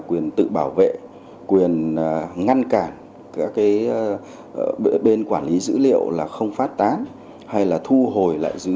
quyền tự bảo vệ quyền ngăn cản các cái bên quản lý dữ liệu là không phát tán hay là thu hồi lại dữ